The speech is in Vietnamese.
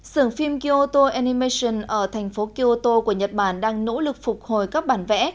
sưởng phim kyoto animation ở thành phố kyoto của nhật bản đang nỗ lực phục hồi các bản vẽ